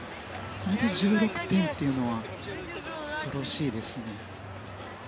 それで１６点というのは恐ろしいですね。